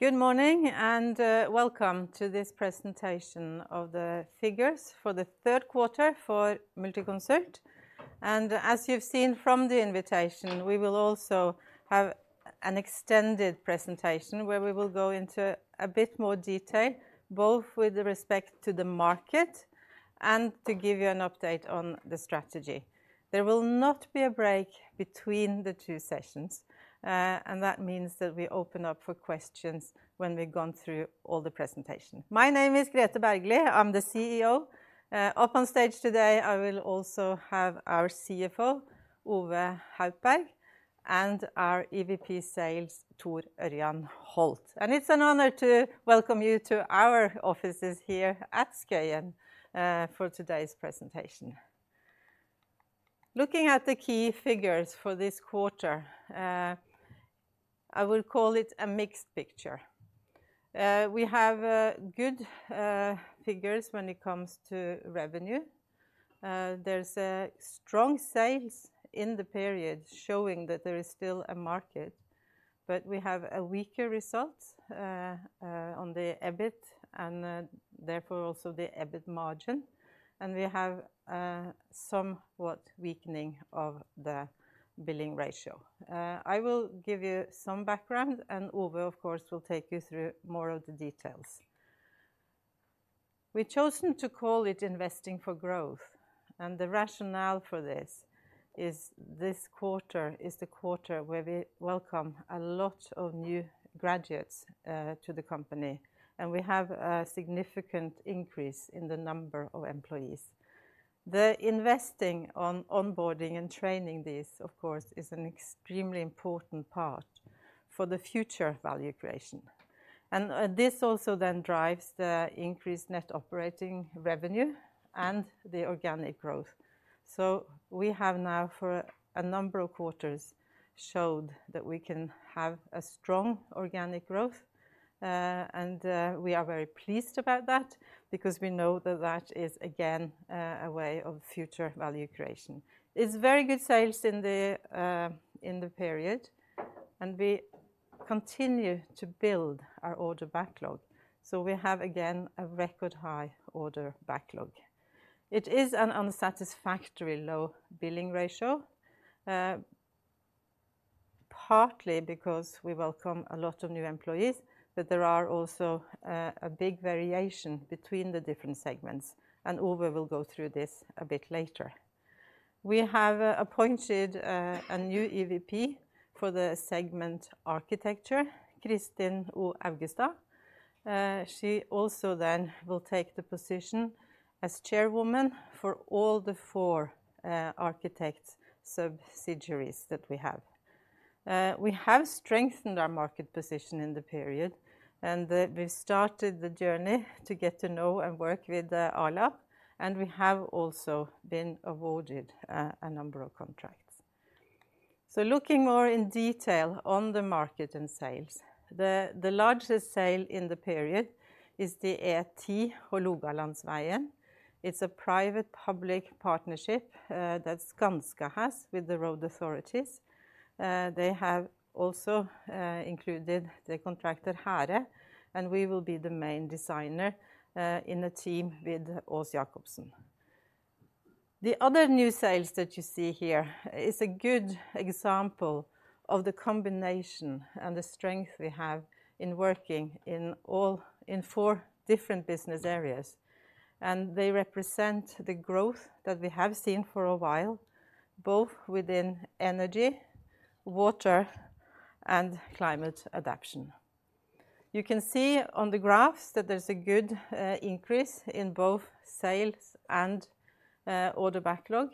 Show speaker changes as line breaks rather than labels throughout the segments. Good morning, and welcome to this presentation of the figures for the third quarter for Multiconsult. As you've seen from the invitation, we will also have an extended presentation, where we will go into a bit more detail, both with respect to the market and to give you an update on the strategy. There will not be a break between the two sessions, and that means that we open up for questions when we've gone through all the presentation. My name is Grethe Bergly. I'm the CEO. Up on stage today, I will also have our CFO, Ove Haupberg, and our EVP Sales, Thor Ørjan Holt. It's an honor to welcome you to our offices here at Skøyen for today's presentation. Looking at the key figures for this quarter, I will call it a mixed picture. We have good figures when it comes to revenue. There's a strong sales in the period showing that there is still a market, but we have a weaker result on the EBIT and therefore also the EBIT margin, and we have somewhat weakening of the billing ratio. I will give you some background, and Ove, of course, will take you through more of the details. We've chosen to call it investing for growth, and the rationale for this is, this quarter is the quarter where we welcome a lot of new graduates to the company, and we have a significant increase in the number of employees. The investing on onboarding and training these, of course, is an extremely important part for the future value creation. This also then drives the increased net operating revenue and the organic growth. So we have now, for a number of quarters, showed that we can have a strong organic growth, and, we are very pleased about that because we know that that is, again, a way of future value creation. It's very good sales in the, in the period, and we continue to build our order backlog, so we have, again, a record high order backlog. It is an unsatisfactory low billing ratio, partly because we welcome a lot of new employees, but there are also, a big variation between the different segments, and Ove will go through this a bit later. We have appointed, a new EVP for the segment architecture, Kristin O. Augestad. She also then will take the position as chairwoman for all the four, architects subsidiaries that we have. We have strengthened our market position in the period, and we've started the journey to get to know and work with A-lab, and we have also been awarded a number of contracts. So looking more in detail on the market and sales, the largest sale in the period is the E10 Hålogalandsvegen. It's a private-public partnership that Skanska has with the road authorities. They have also included the contractor, Hæhre, and we will be the main designer in the team with Aas-Jakobsen. The other new sales that you see here is a good example of the combination and the strength we have in working in all in four different business areas, and they represent the growth that we have seen for a while, both within energy, water, and climate adaptation. You can see on the graphs that there's a good increase in both sales and order backlog,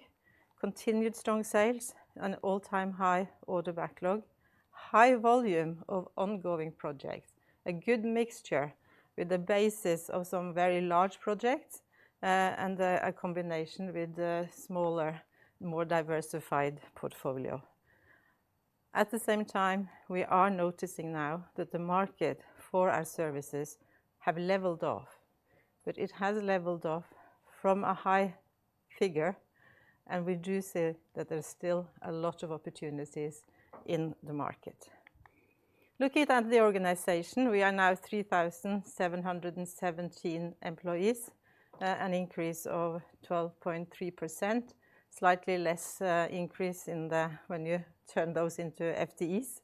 continued strong sales and all-time high order backlog, high volume of ongoing projects, a good mixture with the basis of some very large projects, and a combination with the smaller, more diversified portfolio. At the same time, we are noticing now that the market for our services have leveled off, but it has leveled off from a high figure, and we do see that there's still a lot of opportunities in the market. Looking at the organization, we are now 3,717 employees, an increase of 12.3%, slightly less increase in the when you turn those into FTEs.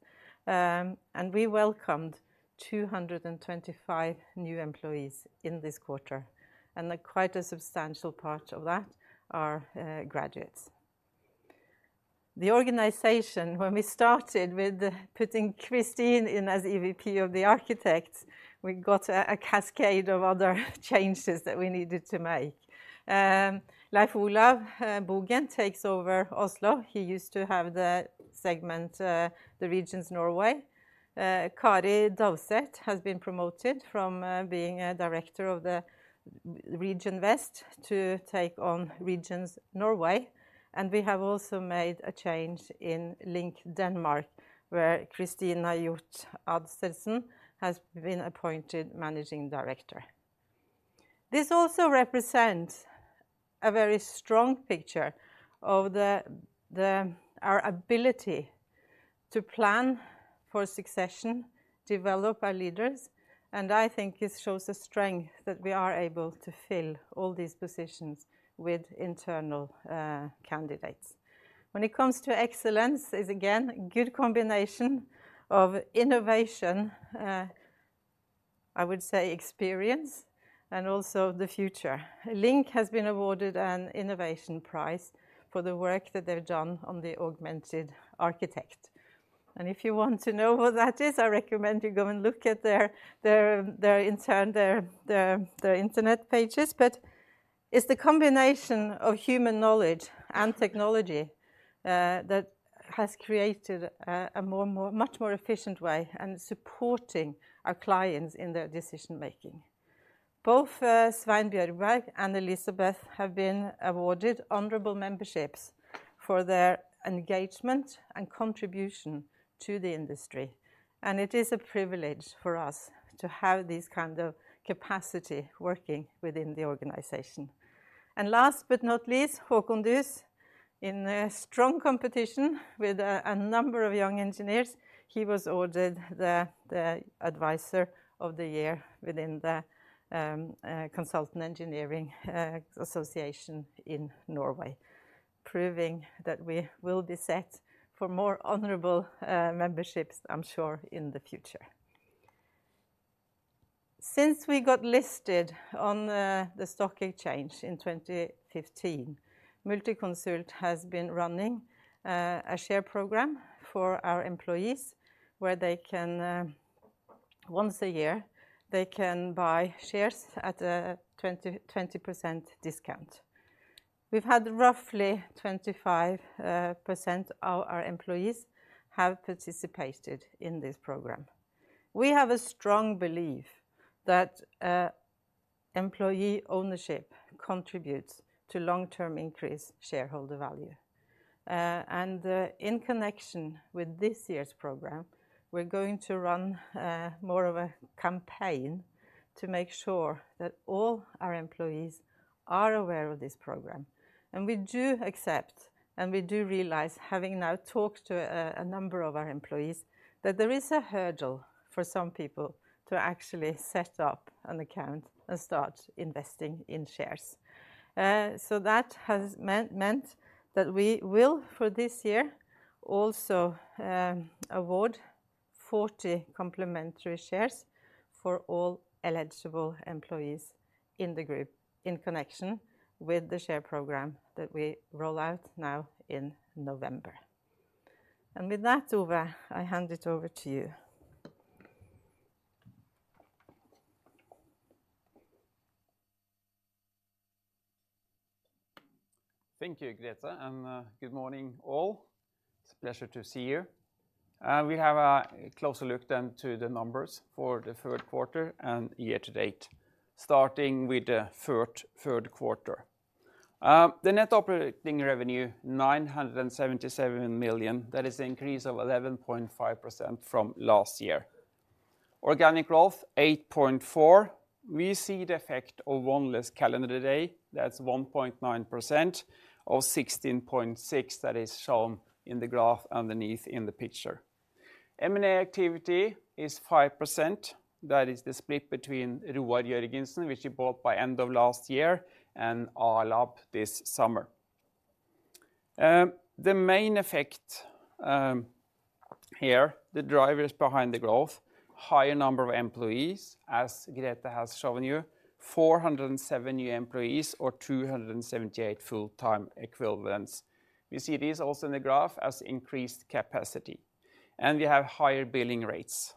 And we welcomed 225 new employees in this quarter, and quite a substantial part of that are graduates. The organization, when we started with putting Kristin in as EVP of the architects, we got a cascade of other changes that we needed to make. Leif Olav Bogen takes over Oslo. He used to have the segment, the Regions Norway. Kari Davidsen has been promoted from being a director of Region West to take on Regions Norway, and we have also made a change in LINK Denmark, where Kristina Hjorth Adsersen has been appointed managing director. This also represents a very strong picture of our ability to plan for succession, develop our leaders, and I think it shows the strength that we are able to fill all these positions with internal candidates. When it comes to excellence, is again, good combination of innovation, I would say experience, and also the future. Link has been awarded an innovation prize for the work that they've done on the augmented architect. And if you want to know what that is, I recommend you go and look at their internet pages. But it's the combination of human knowledge and technology that has created a much more efficient way and supporting our clients in their decision-making. Both Svein Bjørberg and Elisabeth have been awarded honorable memberships for their engagement and contribution to the industry, and it is a privilege for us to have this kind of capacity working within the organization. Last but not least, Håkon Duus, in a strong competition with a number of young engineers, he was awarded the Advisor of the Year within the Consultant Engineering Association in Norway, proving that we will be set for more honorable memberships, I'm sure, in the future. Since we got listed on the stock exchange in 2015, Multiconsult has been running a share program for our employees, where they can once a year, they can buy shares at a 20% discount. We've had roughly 25% of our employees have participated in this program. We have a strong belief that employee ownership contributes to long-term increased shareholder value. In connection with this year's program, we're going to run more of a campaign to make sure that all our employees are aware of this program. We do accept, and we do realize, having now talked to a number of our employees, that there is a hurdle for some people to actually set up an account and start investing in shares. So that has meant that we will, for this year, also award 40 complimentary shares for all eligible employees in the group in connection with the share program that we roll out now in November. With that, Ove, I hand it over to you.
Thank you, Grethe, and good morning, all. It's a pleasure to see you. We have a closer look then to the numbers for the third quarter and year to date, starting with the third quarter. The net operating revenue, 977 million, that is an increase of 11.5% from last year. Organic growth, 8.4%. We see the effect of one less calendar day. That's 1.9% of 16.6% that is shown in the graph underneath in the picture. M&A activity is 5%. That is the split between Roar Jørgensen, which we bought by end of last year, and A-lab this summer. The main effect here, the drivers behind the growth, higher number of employees, as Grethe has shown you, 407 new employees, or 278 full-time equivalents. We see this also in the graph as increased capacity, and we have higher billing rates.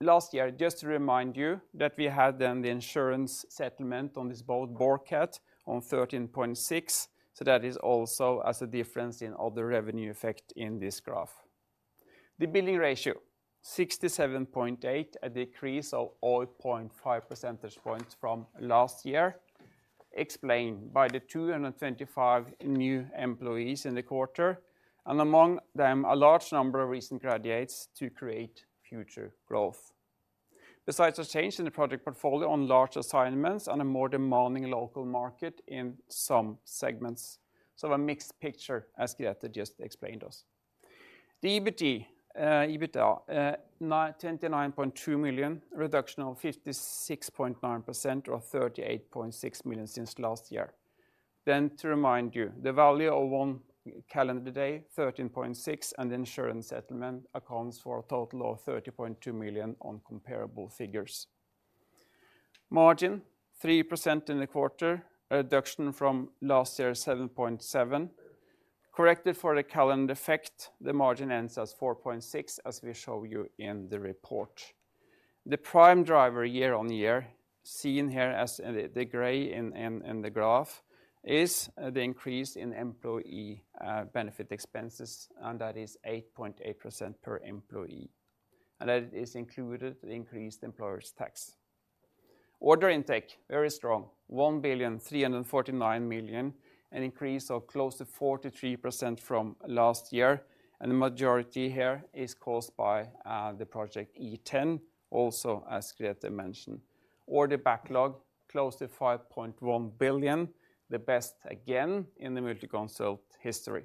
Last year, just to remind you, that we had then the insurance settlement on this post, booked, on 13.6 million, so that is also as a difference in all the revenue effect in this graph. The billing ratio, 67.8%, a decrease of 0.5 percentage points from last year, explained by the 225 new employees in the quarter, and among them, a large number of recent graduates to create future growth. Besides the change in the project portfolio on large assignments and a more demanding local market in some segments, so a mixed picture, as Grethe just explained to us. The EBITDA, 29.2 million, reduction of 56.9% or 38.6 million since last year. Then to remind you, the value of one calendar day, 13.6%, and the insurance settlement accounts for a total of 30.2 million on comparable figures. Margin, 3% in the quarter, a reduction from last year, 7.7%. Corrected for the calendar effect, the margin ends as 4.6%, as we show you in the report. The prime driver year on year, seen here as the gray in the graph, is the increase in employee benefit expenses, and that is 8.8% per employee, and that is included the increased employer's tax. Order intake, very strong, 1,349 million, an increase of close to 43% from last year, and the majority here is caused by the project E10, also, as Grethe mentioned. Order backlog, close to 5.1 billion, the best again in the Multiconsult history.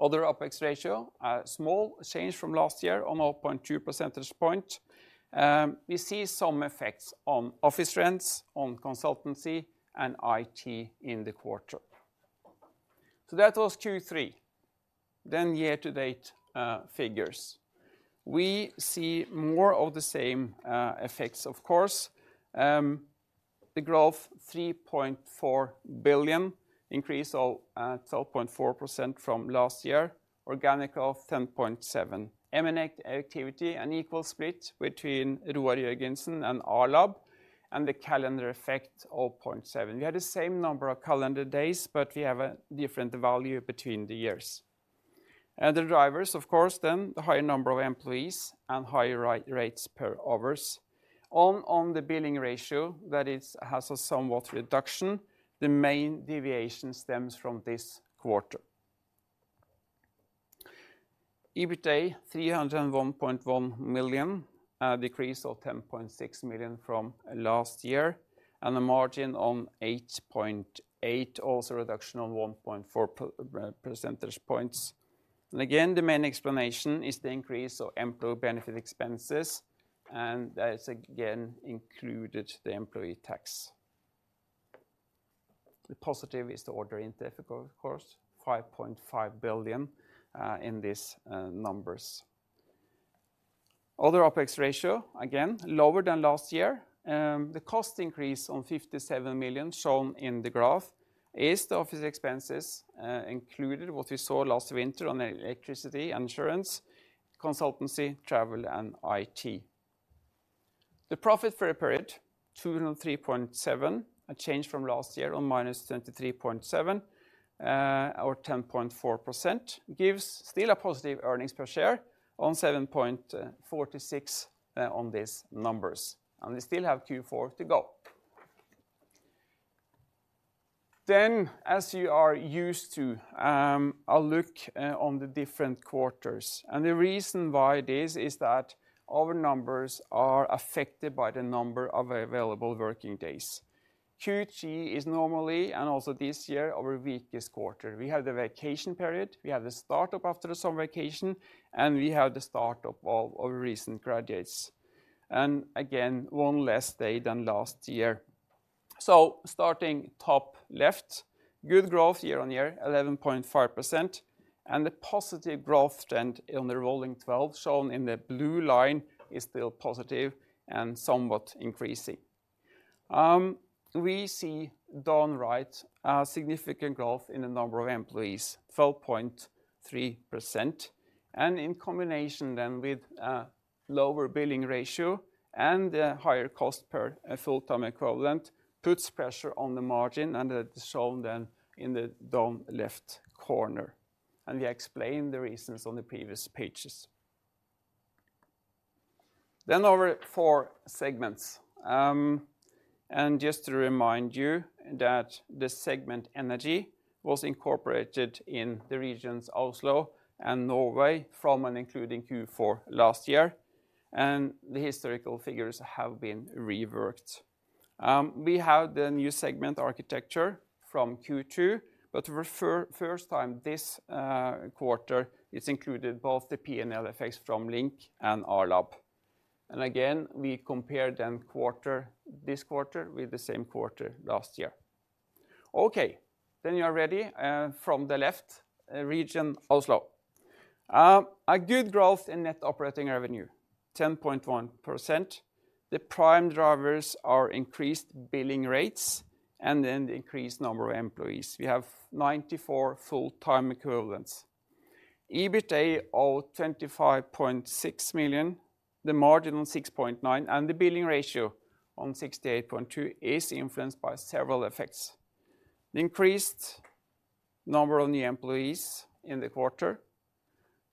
Other OpEx ratio, a small change from last year on 0.2 percentage point. We see some effects on office rents, on consultancy, and IT in the quarter. So that was Q3. Then year-to-date figures. We see more of the same effects, of course. The growth, 3.4 billion, increase of 12.4% from last year, organic of 10.7%. M&A activity, an equal split between Roar Jørgensen and A-lab, and the calendar effect, 0.7%. We had the same number of calendar days, but we have a different value between the years. And the drivers, of course, then the higher number of employees and higher rates per hours. On the billing ratio, that has a somewhat reduction. The main deviation stems from this quarter. EBITDA, 301.1 million, a decrease of 10.6 million from last year, and a margin on 8.8%, also a reduction of 1.4 percentage points. Again, the main explanation is the increase of employee benefit expenses, and that's again, included the employee tax. The positive is the order intake, of course, 5.5 billion in these numbers. Other OpEx ratio, again, lower than last year. The cost increase on 57 million shown in the graph is the office expenses, included what we saw last winter on electricity, insurance, consultancy, travel, and IT. The profit for a period, 203.7, a change from last year on -23.7%, or 10.4%, gives still a positive earnings per share on $7.46, on these numbers, and we still have Q4 to go. Then, as you are used to, a look on the different quarters, and the reason why this is that our numbers are affected by the number of available working days. Q3 is normally, and also this year, our weakest quarter. We have the vacation period, we have the start-up after the summer vacation, and we have the start-up of our recent graduates. And again, one less day than last year. So starting top left, good growth year on year, 11.5%, and the positive growth trend on the rolling twelve, shown in the blue line, is still positive and somewhat increasing. We see down right, a significant growth in the number of employees, 12.3%, and in combination then with a lower billing ratio and a higher cost per a full-time equivalent, puts pressure on the margin, and that is shown then in the down left corner, and we explained the reasons on the previous pages. Then our four segments. And just to remind you that the segment energy was incorporated in the regions Oslo and Norway from and including Q4 last year, and the historical figures have been reworked. We have the new segment architecture from Q2, but for first time this quarter, it's included both the P&L effects from LINK and A-lab. And again, we compare then quarter, this quarter with the same quarter last year. Okay, then you are ready from the left, region Oslo. A good growth in net operating revenue, 10.1%. The prime drivers are increased billing rates and then the increased number of employees. We have 94 full-time equivalents. EBITDA of 25.6 million, the margin on 6.9%, and the billing ratio on 68.2% is influenced by several effects. The increased number of new employees in the quarter,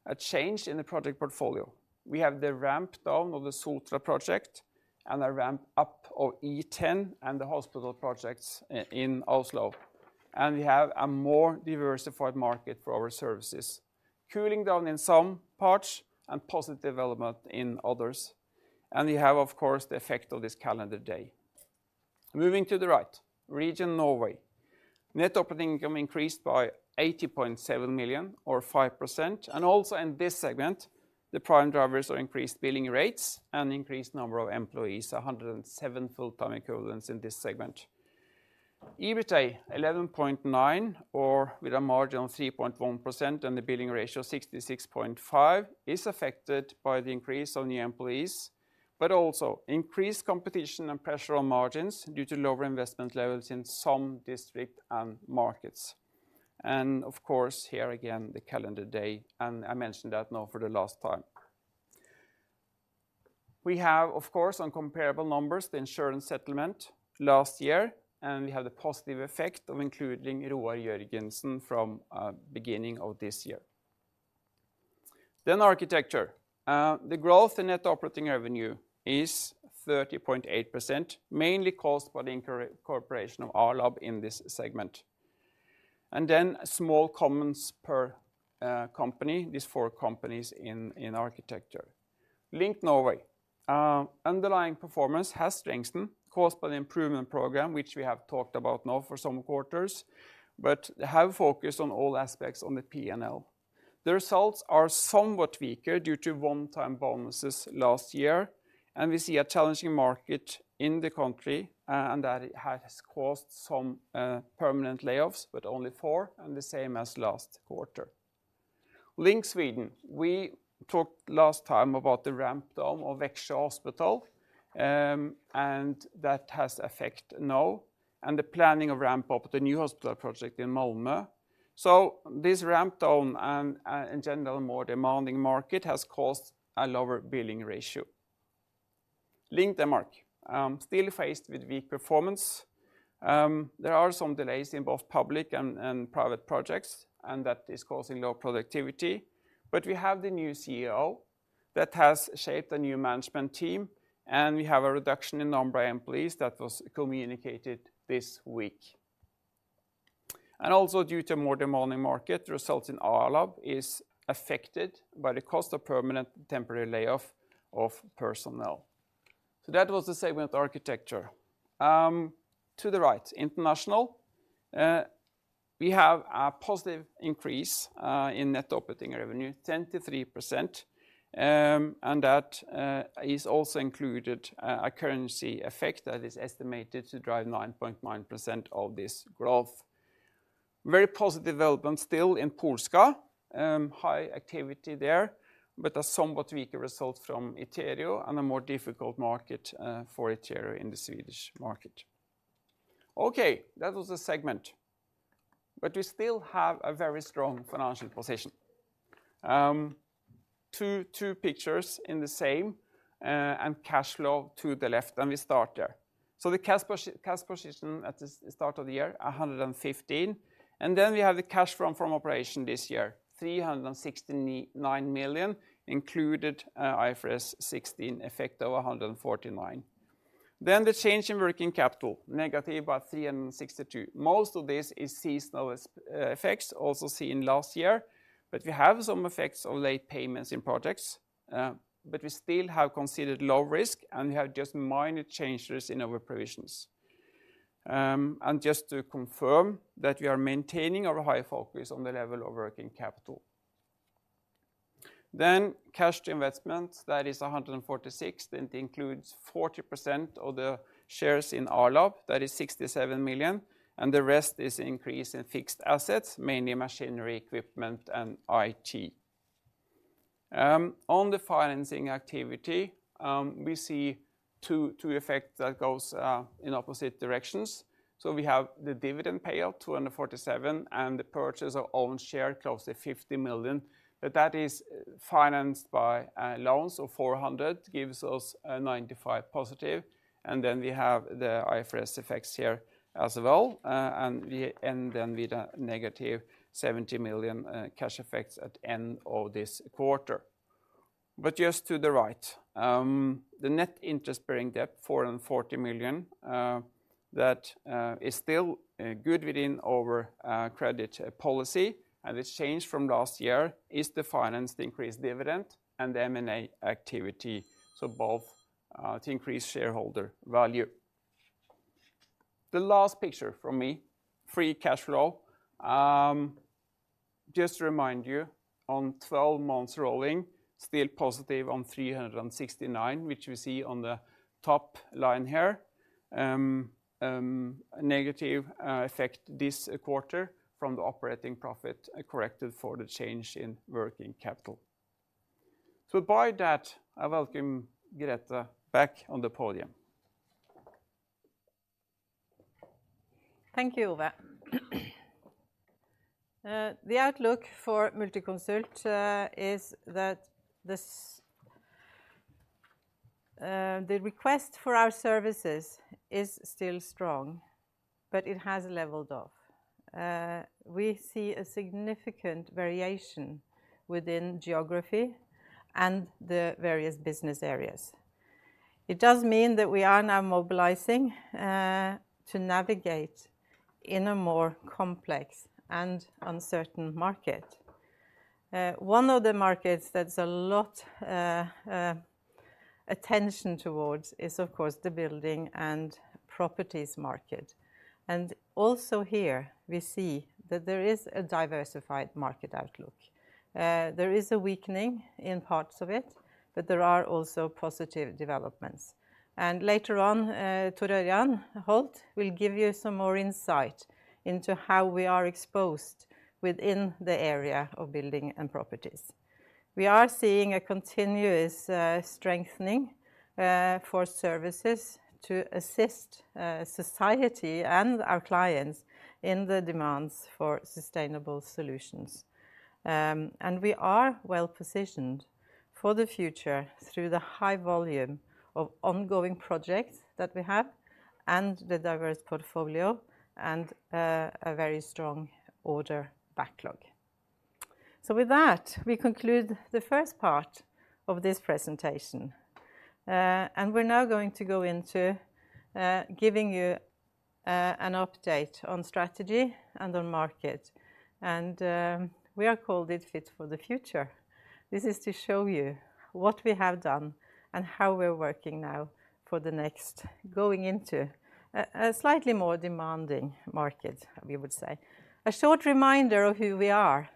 a change in the project portfolio. We have the ramp down of the Sotra project and a ramp up of E10 and the hospital projects in Oslo, and we have a more diversified market for our services, cooling down in some parts and positive development in others, and we have, of course, the effect of this calendar day. Moving to the right, Region Norway. Net operating income increased by 80.7 million or 5%, and also in this segment, the prime drivers are increased billing rates and increased number of employees, 107 full-time equivalents in this segment. EBITDA 11.9 million, or with a margin of 3.1% and the billing ratio 66.5%, is affected by the increase of new employees, but also increased competition and pressure on margins due to lower investment levels in some districts and markets. Of course, here again, the calendar day, and I mentioned that now for the last time. We have, of course, on comparable numbers, the insurance settlement last year, and we have the positive effect of including Roar Jørgensen from beginning of this year. Then architecture. The growth in net operating revenue is 30.8%, mainly caused by the incorporation of A-lab in this segment. And then small comments per company, these four companies in architecture. LINK Norway. Underlying performance has strengthened, caused by the improvement program, which we have talked about now for some quarters, but have focused on all aspects on the PNL. The results are somewhat weaker due to one-time bonuses last year, and we see a challenging market in the country, and that it has caused some permanent layoffs, but only four, and the same as last quarter. LINK Sweden. We talked last time about the ramp down of Växjö Hospital, and that has effect now, and the planning of ramp up the new hospital project in Malmö. So this ramp down and, in general, more demanding market has caused a lower billing ratio. LINK Denmark, still faced with weak performance. There are some delays in both public and private projects, and that is causing low productivity. But we have the new CEO that has shaped a new management team, and we have a reduction in number of employees that was communicated this week. Also due to more demanding market, the results in A-lab is affected by the cost of permanent temporary layoff of personnel. So that was the segment architecture. To the right, international, we have a positive increase in net operating revenue, 10.3%. And that is also included a currency effect that is estimated to drive 9.9% of this growth. Very positive development still in Polska. High activity there, but a somewhat weaker result from Iterio and a more difficult market for Iterio in the Swedish market. Okay, that was the segment, but we still have a very strong financial position. Two pictures in the same, and cash flow to the left, and we start there. So the cash position at the start of the year, 115 million, and then we have the cash from operation this year, 369 million, included IFRS 16 effect of 149 million. Then the change in working capital, negative about 362 million. Most of this is seasonal effects, also seen last year, but we have some effects of late payments in projects, but we still have considered low risk, and we have just minor changes in our provisions. And just to confirm that we are maintaining our high focus on the level of working capital. Then cash to investments, that is 146, that includes 40% of the shares in A-lab, that is 67 million, and the rest is increase in fixed assets, mainly machinery, equipment, and IT. On the financing activity, we see two effects that go in opposite directions. So we have the dividend payout, 247 million, and the purchase of own share, close to 50 million. But that is financed by loans of 400 million, gives us a 95 million positive, and then we have the IFRS effects here as well, and then with a negative 70 million, cash effects at end of this quarter. But just to the right, the net interest-bearing debt, 440 million, that is still good within our credit policy, and it's changed from last year, is the finance increased dividend and the M&A activity, so both to increase shareholder value. The last picture from me, free cash flow. Just to remind you, on 12 months rolling, still positive on 369, which we see on the top line here. Negative effect this quarter from the operating profit, corrected for the change in working capital. So by that, I welcome Grethe back on the podium.
Thank you, Ove. The outlook for Multiconsult is that the request for our services is still strong, but it has leveled off. We see a significant variation within geography and the various business areas. It does mean that we are now mobilizing to navigate in a more complex and uncertain market. One of the markets that's a lot attention towards is, of course, the building and properties market. And also here, we see that there is a diversified market outlook. There is a weakening in parts of it, but there are also positive developments. And later on, Thor Ørjan Holt will give you some more insight into how we are exposed within the area of building and properties. We are seeing a continuous strengthening for services to assist society and our clients in the demands for sustainable solutions. And we are well-positioned for the future, through the high volume of ongoing projects that we have, and the diverse portfolio, and a very strong order backlog. So with that, we conclude the first part of this presentation. And we're now going to go into giving you an update on strategy and on market, and we have called it Fit for the Future. This is to show you what we have done, and how we're working now going into a slightly more demanding market, we would say. A short reminder of who we are.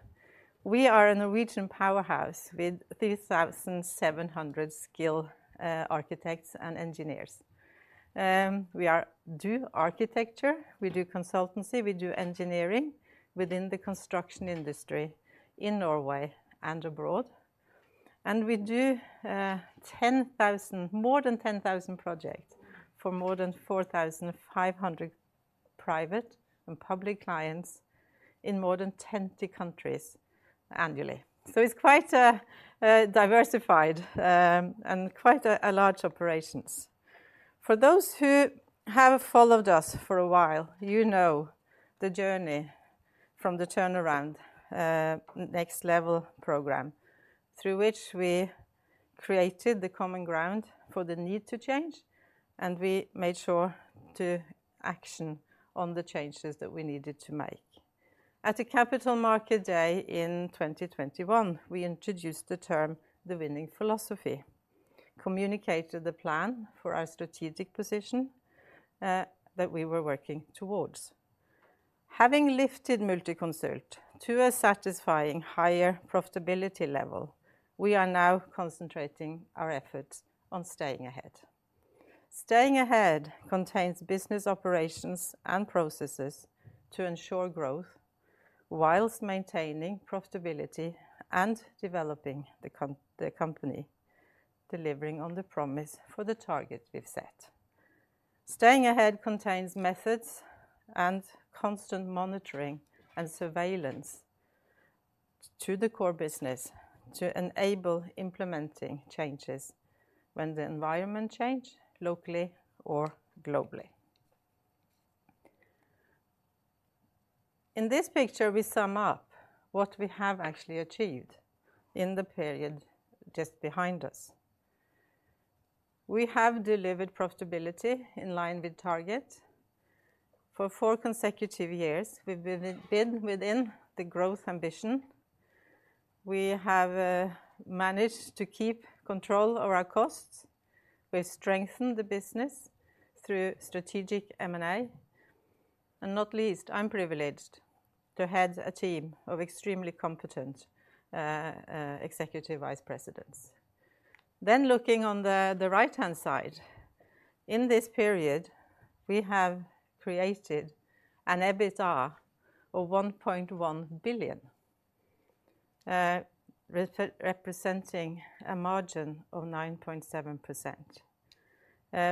We are a Norwegian powerhouse with 3,700 skilled architects and engineers. We do architecture, we do consultancy, we do engineering within the construction industry in Norway and abroad. We do more than 10,000 projects for more than 4,500 private and public clients in more than 20 countries annually. So it's quite a diversified and quite a large operations. For those who have followed us for a while, you know the journey from the turnaround next level program, through which we created the common ground for the need to change, and we made sure to action on the changes that we needed to make. At a capital market day in 2021, we introduced the term the winning philosophy, communicated the plan for our strategic position that we were working towards. Having lifted Multiconsult to a satisfying higher profitability level, we are now concentrating our efforts on staying ahead. Staying ahead contains business operations and processes to ensure growth, while maintaining profitability and developing the company, delivering on the promise for the target we've set. Staying ahead contains methods and constant monitoring and surveillance to the core business to enable implementing changes when the environment change, locally or globally. In this picture, we sum up what we have actually achieved in the period just behind us. We have delivered profitability in line with target. For four consecutive years, we've been within the growth ambition. We have managed to keep control of our costs. We've strengthened the business through strategic M&A, and not least, I'm privileged to head a team of extremely competent executive vice presidents. Then looking on the right-hand side, in this period, we have created an EBITDA of 1.1 billion, representing a margin of 9.7%.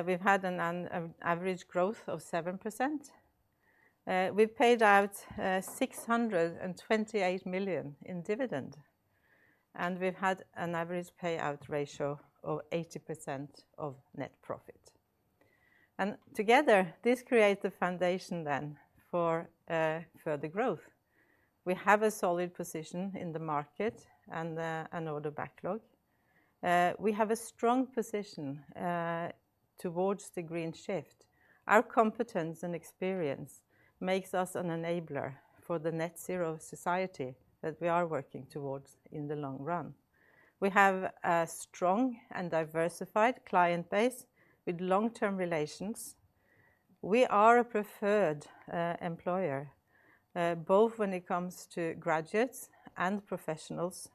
We've had an average growth of 7%. We've paid out 628 million in dividend, and we've had an average payout ratio of 80% of net profit. And together, this creates the foundation then for further growth. We have a solid position in the market and an order backlog. We have a strong position towards the green shift. Our competence and experience makes us an enabler for the net zero society that we are working towards in the long run. We have a strong and diversified client base with long-term relations. We are a preferred employer, both when it comes to graduates and professionals,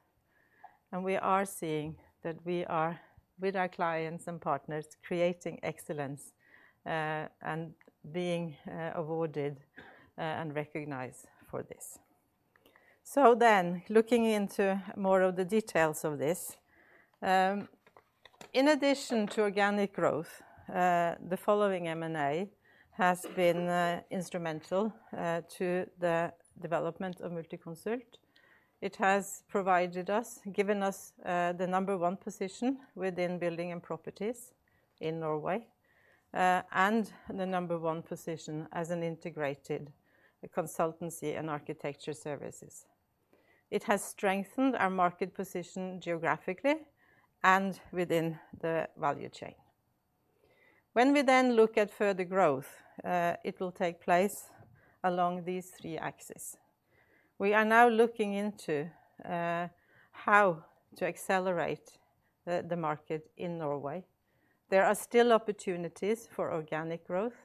and we are seeing that we are, with our clients and partners, creating excellence, and being awarded and recognized for this. So then, looking into more of the details of this, in addition to organic growth, the following M&A has been instrumental to the development of Multiconsult. It has provided us, given us, the number one position within building and properties in Norway, and the number one position as an integrated consultancy in architecture services. It has strengthened our market position geographically and within the value chain. When we then look at further growth, it will take place along these three axes. We are now looking into how to accelerate the market in Norway. There are still opportunities for organic growth.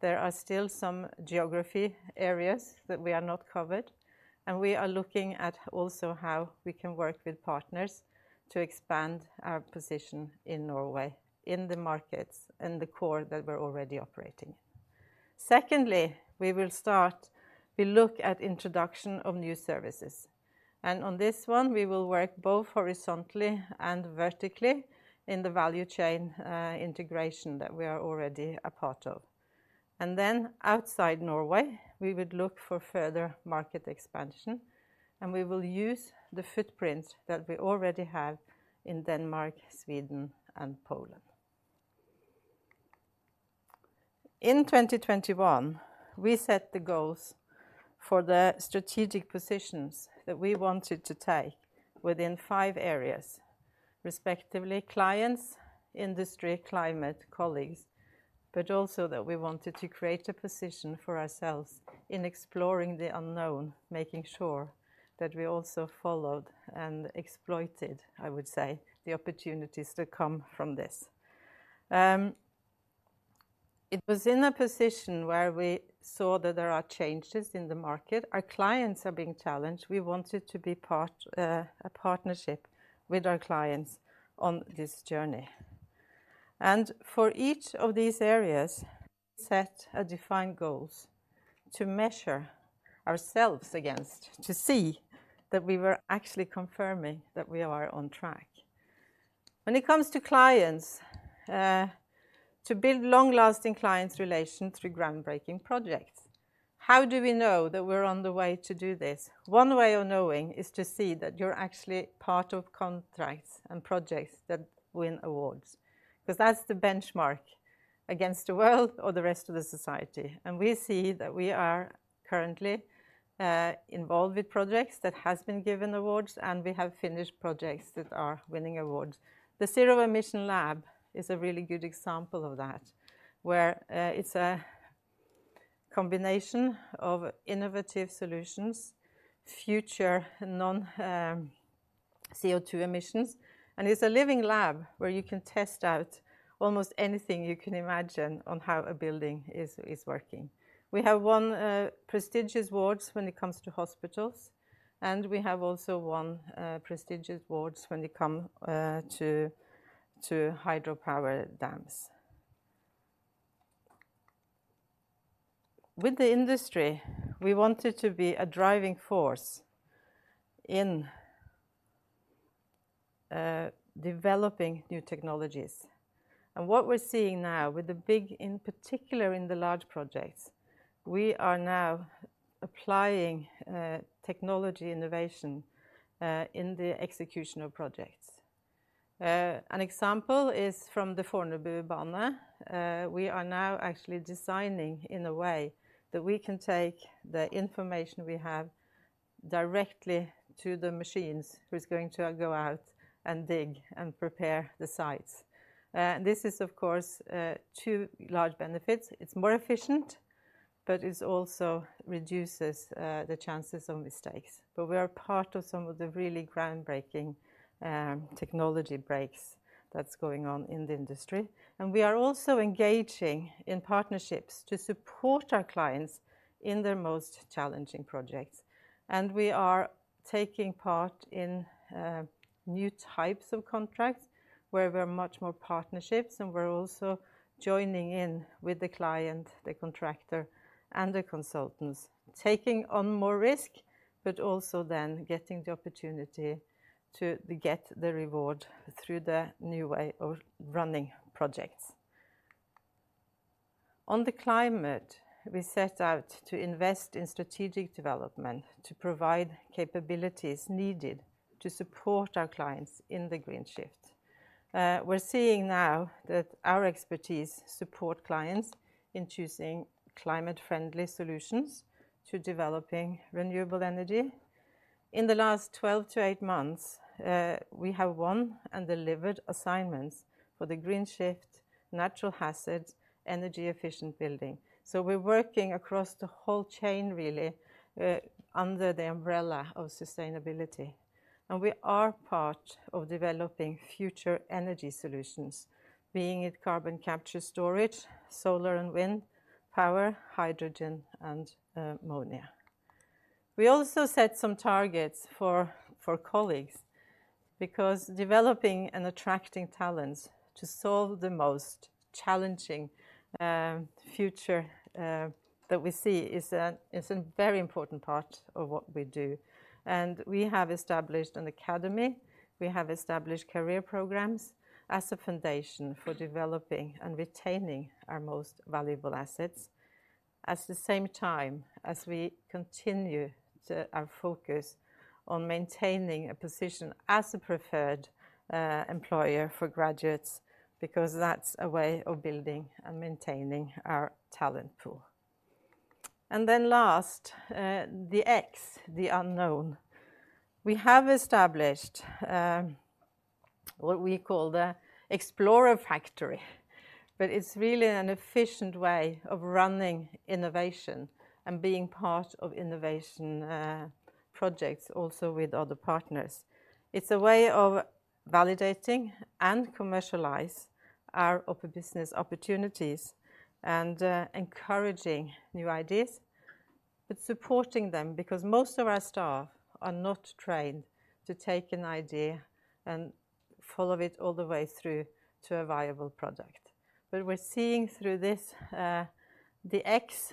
There are still some geography areas that we are not covered, and we are looking at also how we can work with partners to expand our position in Norway, in the markets and the core that we're already operating in. Secondly, we look at introduction of new services, and on this one, we will work both horizontally and vertically in the value chain, integration that we are already a part of. And then outside Norway, we would look for further market expansion, and we will use the footprints that we already have in Denmark, Sweden, and Poland. In 2021, we set the goals for the strategic positions that we wanted to take within five areas, respectively, clients, industry, climate, colleagues, but also that we wanted to create a position for ourselves in exploring the unknown, making sure that we also followed and exploited, I would say, the opportunities that come from this. It was in a position where we saw that there are changes in the market. Our clients are being challenged. We wanted to be part, a partnership with our clients on this journey. And for each of these areas, set a defined goals to measure ourselves against, to see that we were actually confirming that we are on track. When it comes to clients, to build long-lasting clients relation through groundbreaking projects, how do we know that we're on the way to do this? One way of knowing is to see that you're actually part of contracts and projects that win awards, 'cause that's the benchmark against the world or the rest of the society, and we see that we are currently involved with projects that has been given awards, and we have finished projects that are winning awards. The Zero Emission Lab is a really good example of that, where it's a combination of innovative solutions, future non CO2 emissions, and it's a living lab where you can test out almost anything you can imagine on how a building is, is working. We have won prestigious awards when it comes to hospitals, and we have also won prestigious awards when it come to hydropower dams. With the industry, we wanted to be a driving force in developing new technologies, and what we're seeing now, in particular in the large projects, we are now applying technology innovation in the execution of projects. An example is from the Fornebubanen. We are now actually designing in a way that we can take the information we have directly to the machines, who's going to go out and dig and prepare the sites. This is, of course, two large benefits: It's more efficient, but it also reduces the chances of mistakes. But we are part of some of the really groundbreaking technology breaks that's going on in the industry, and we are also engaging in partnerships to support our clients in their most challenging projects. We are taking part in new types of contracts, where we're much more partnerships, and we're also joining in with the client, the contractor, and the consultants, taking on more risk, but also then getting the opportunity to get the reward through the new way of running projects. On the climate, we set out to invest in strategic development to provide capabilities needed to support our clients in the green shift. We're seeing now that our expertise support clients in choosing climate-friendly solutions to developing renewable energy. In the last 12-8 months, we have won and delivered assignments for the green shift, natural hazards, energy-efficient building. We're working across the whole chain, really, under the umbrella of sustainability, and we are part of developing future energy solutions, being it carbon capture storage, solar and wind power, hydrogen, and ammonia. We also set some targets for colleagues, because developing and attracting talents to solve the most challenging future that we see is a very important part of what we do. And we have established an academy, we have established career programs as a foundation for developing and retaining our most valuable assets. At the same time, as we continue to focus on maintaining a position as a preferred employer for graduates, because that's a way of building and maintaining our talent pool. And then last, the X, the unknown. We have established what we call the Explorer Factory, but it's really an efficient way of running innovation and being part of innovation projects also with other partners. It's a way of validating and commercialize our open business opportunities and encouraging new ideas, but supporting them, because most of our staff are not trained to take an idea and follow it all the way through to a viable project. But we're seeing through this, the X.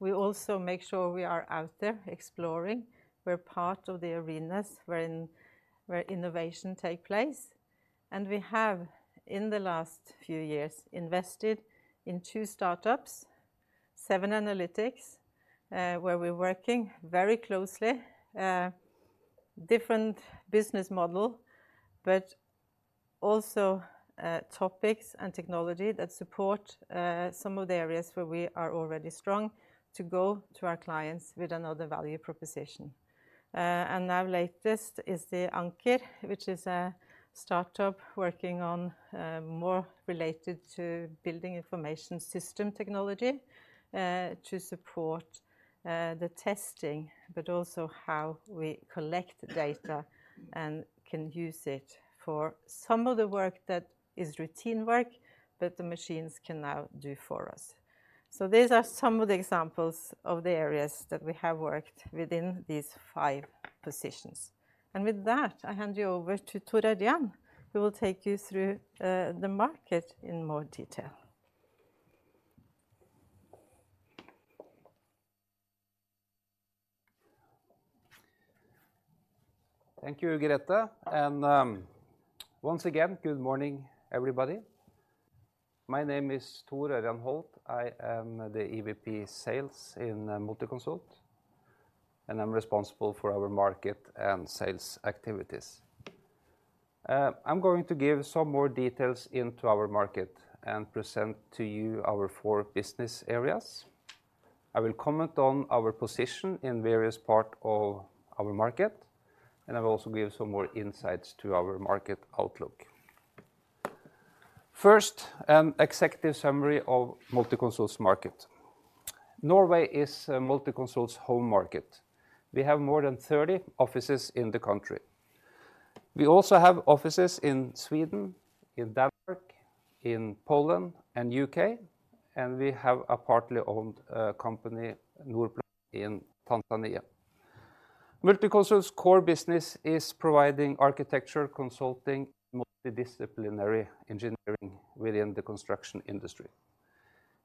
We also make sure we are out there exploring. We're part of the arenas where innovation take place, and we have, in the last few years, invested in two startups, Seven Analytics, where we're working very closely. Different business model, but also, topics and technology that support some of the areas where we are already strong to go to our clients with another value proposition. And now latest is the Anker, which is a startup working on, more related to building information system technology, to support, the testing, but also how we collect data and can use it for some of the work that is routine work, but the machines can now do for us. These are some of the examples of the areas that we have worked within these five positions. With that, I hand you over to Thor Ørjan, who will take you through, the market in more detail.
Thank you, Grethe, and once again, good morning, everybody. My name is Thor Ørjan Holt. I am the EVP Sales in Multiconsult, and I'm responsible for our market and sales activities. I'm going to give some more details into our market and present to you our four business areas. I will comment on our position in various part of our market, and I will also give some more insights to our market outlook. First, an executive summary of Multiconsult's market. Norway is Multiconsult's home market. We have more than 30 offices in the country. We also have offices in Sweden, in Denmark, in Poland and U.K., and we have a partly owned company, Norplan, in Tanzania. Multiconsult's core business is providing architecture, consulting, multidisciplinary engineering within the construction industry.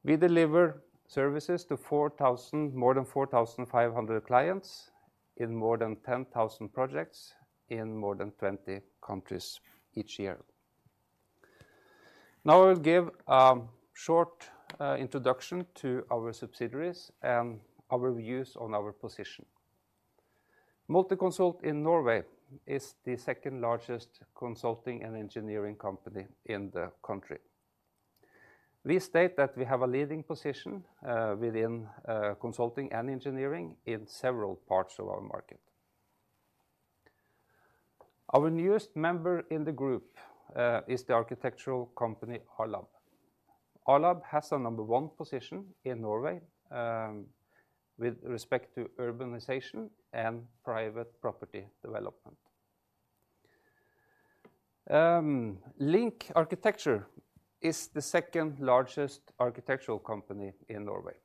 We deliver services to 4,000. more than 4,500 clients, in more than 10,000 projects, in more than 20 countries each year. Now, I will give a short, introduction to our subsidiaries and our views on our position. Multiconsult in Norway is the second largest consulting and engineering company in the country. We state that we have a leading position, within, consulting and engineering in several parts of our market. Our newest member in the group, is the architectural company, A-lab. A-lab has a number one position in Norway, with respect to urbanization and private property development. LINK Arkitektur is the second largest architectural company in Norway.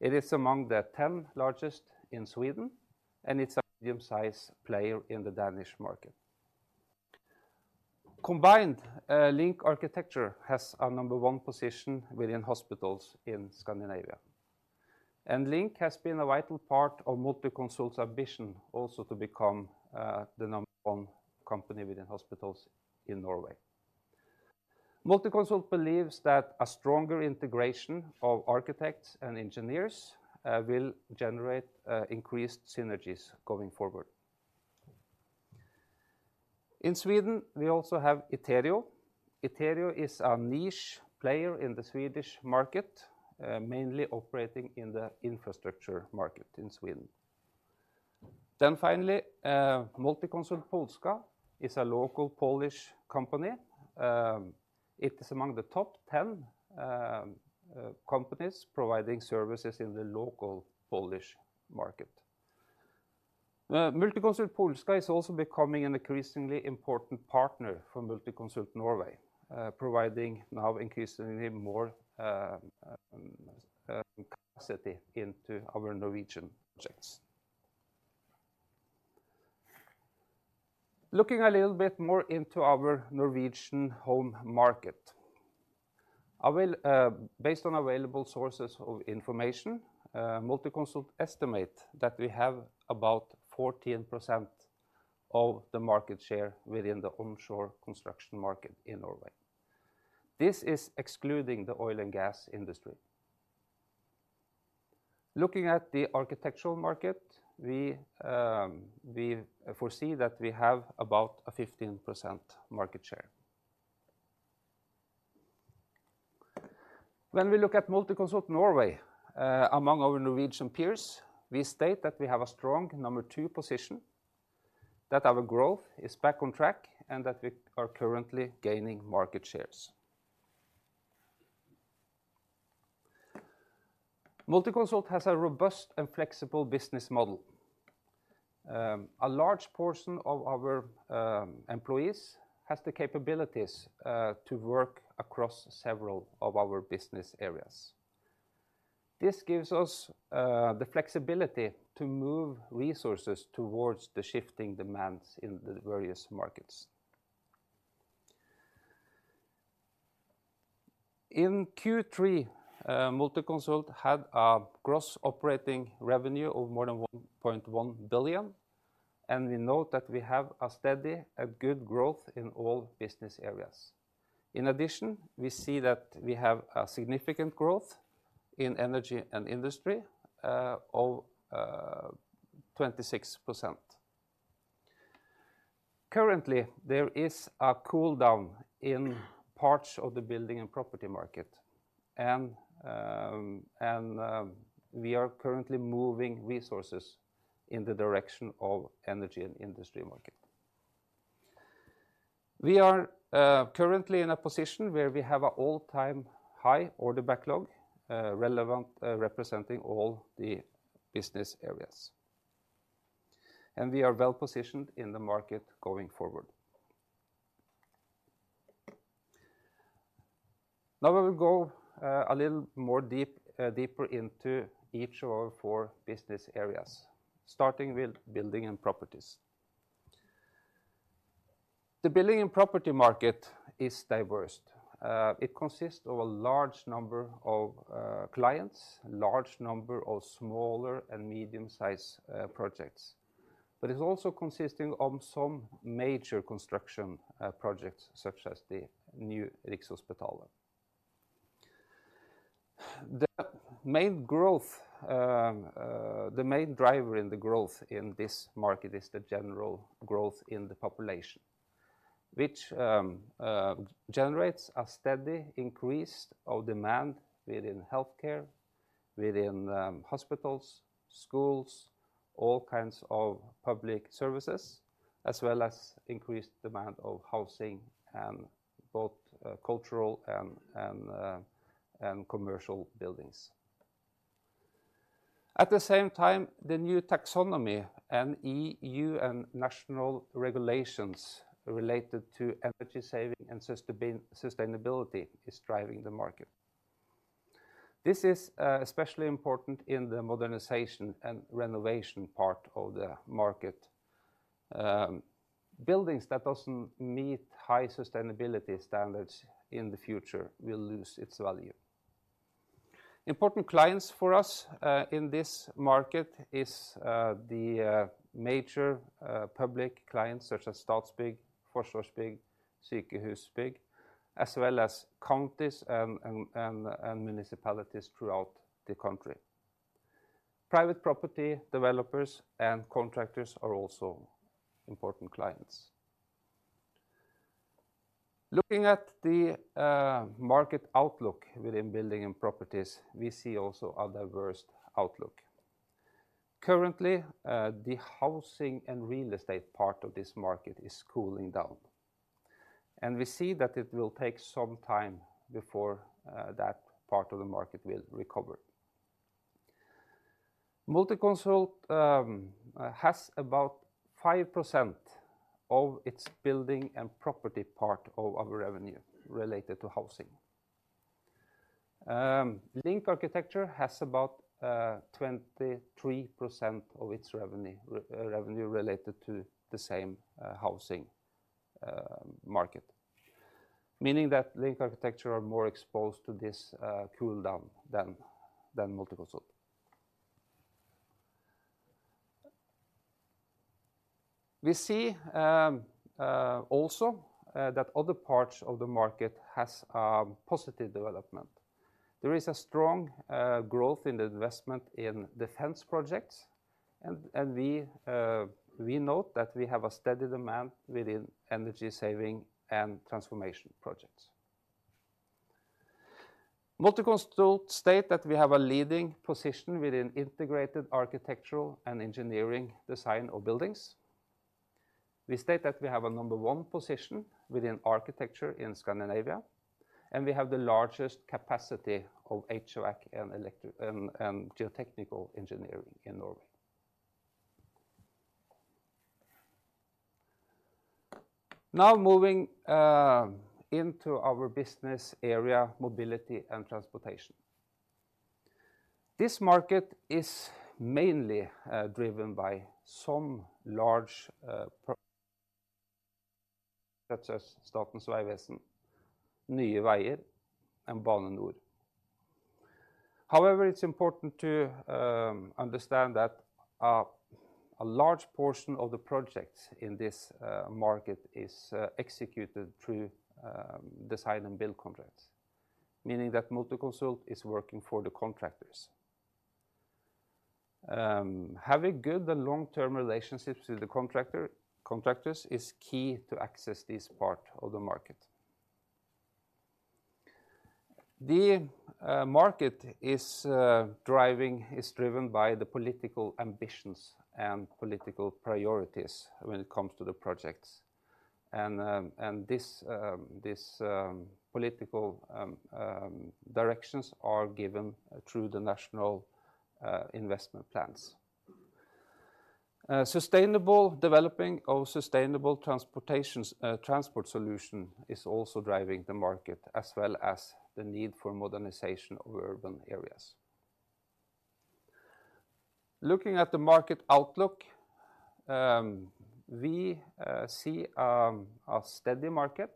It is among the 10 largest in Sweden, and it's a medium-sized player in the Danish market. Combined, LINK Arkitektur has a number one position within hospitals in Scandinavia, and LINK has been a vital part of Multiconsult's ambition also to become the number one company within hospitals in Norway. Multiconsult believes that a stronger integration of architects and engineers will generate increased synergies going forward. In Sweden, we also have Iterio. Iterio is a niche player in the Swedish market, mainly operating in the infrastructure market in Sweden. Then finally, Multiconsult Polska is a local Polish company. It is among the top ten companies providing services in the local Polish market. Multiconsult Polska is also becoming an increasingly important partner for Multiconsult Norway, providing now increasingly more capacity into our Norwegian projects. Looking a little bit more into our Norwegian home market, I will, based on available sources of information, Multiconsult estimate that we have about 14% of the market share within the onshore construction market in Norway. This is excluding the oil and gas industry. Looking at the architectural market, we, we foresee that we have about a 15% market share. When we look at Multiconsult Norway, among our Norwegian peers, we state that we have a strong number two position, that our growth is back on track, and that we are currently gaining market shares. Multiconsult has a robust and flexible business model. A large portion of our employees has the capabilities to work across several of our business areas. This gives us the flexibility to move resources towards the shifting demands in the various markets. In Q3, Multiconsult had a gross operating revenue of more than 1.1 billion, and we note that we have a steady and good growth in all business areas. In addition, we see that we have a significant growth in energy and industry of 26%. Currently, there is a cool down in parts of the building and property market, and we are currently moving resources in the direction of energy and industry market. We are currently in a position where we have an all-time high order backlog relevant representing all the business areas, and we are well positioned in the market going forward. Now we will go a little deeper into each of our four business areas, starting with building and properties. The building and property market is diverse. It consists of a large number of clients, large number of smaller and medium-size projects, but it's also consisting of some major construction projects, such as the new Rikshospitalet. The main growth, the main driver in the growth in this market is the general growth in the population, which generates a steady increase of demand within healthcare, within hospitals, schools, all kinds of public services, as well as increased demand of housing and both cultural and commercial buildings. At the same time, the new taxonomy and EU and national regulations related to energy saving and sustainability is driving the market. This is especially important in the modernization and renovation part of the market. Buildings that doesn't meet high sustainability standards in the future will lose its value. Important clients for us in this market is the major public clients such as Statsbygg, Forsvarsbygg, Sykehusbygg, as well as counties and municipalities throughout the country. Private property developers and contractors are also important clients. Looking at the market outlook within building and properties, we see also a diverse outlook. Currently, the housing and real estate part of this market is cooling down, and we see that it will take some time before that part of the market will recover. Multiconsult has about 5% of its building and property part of our revenue related to housing. LINK Arkitektur has about 23% of its revenue revenue related to the same housing market, meaning that LINK Arkitektur are more exposed to this cool down than Multiconsult. We see also that other parts of the market has a positive development. There is a strong growth in the investment in defense projects, and we note that we have a steady demand within energy saving and transformation projects. Multiconsult state that we have a leading position within integrated architectural and engineering design of buildings. We state that we have a number one position within architecture in Scandinavia, and we have the largest capacity of HVAC, electrical, and geotechnical engineering in Norway. Now, moving into our business area, mobility and transportation. This market is mainly driven by some large projects such as Statens vegvesen, Nye Veier, and Bane NOR. However, it's important to understand that a large portion of the projects in this market is executed through design and build contracts, meaning that Multiconsult is working for the contractors. Having good and long-term relationships with the contractors is key to access this part of the market. The market is driven by the political ambitions and political priorities when it comes to the projects, and this political directions are given through the national investment plans. Sustainable developing or sustainable transportations transport solution is also driving the market, as well as the need for modernization of urban areas. Looking at the market outlook, we see a steady market.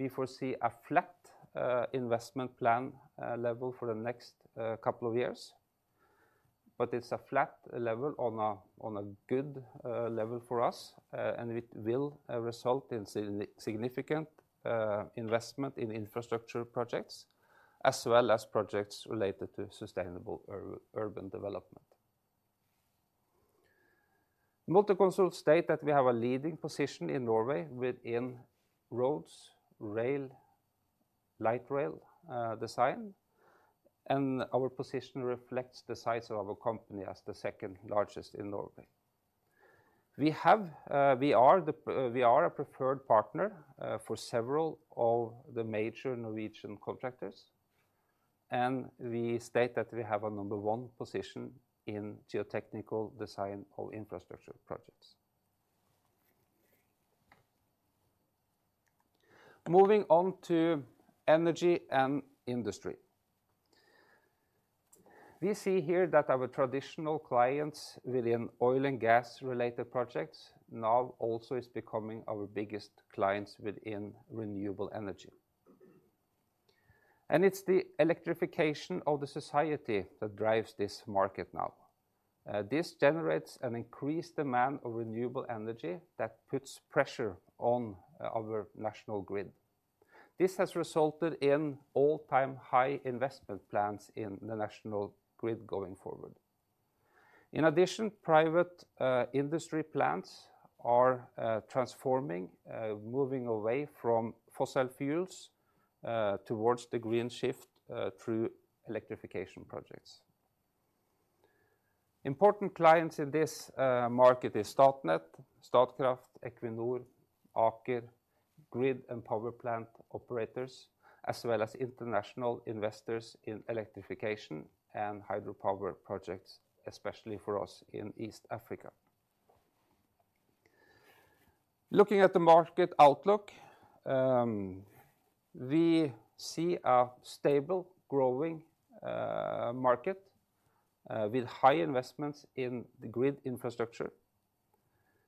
We foresee a flat investment plan level for the next couple of years. But it's a flat level on a good level for us, and it will result in significant investment in infrastructure projects, as well as projects related to sustainable urban development. Multiconsult state that we have a leading position in Norway within roads, rail, light rail design, and our position reflects the size of our company as the second largest in Norway. We have, we are a preferred partner for several of the major Norwegian contractors, and we state that we have a number one position in geotechnical design of infrastructure projects. Moving on to energy and industry. We see here that our traditional clients within oil and gas-related projects now also is becoming our biggest clients within renewable energy. And it's the electrification of the society that drives this market now. This generates an increased demand of renewable energy that puts pressure on our national grid. This has resulted in all-time high investment plans in the national grid going forward. In addition, private industry plants are transforming, moving away from fossil fuels towards the green shift through electrification projects. Important clients in this market is Statnett, Statkraft, Equinor, Aker, grid and power plant operators, as well as international investors in electrification and hydropower projects, especially for us in East Africa. Looking at the market outlook, we see a stable, growing market with high investments in the grid infrastructure.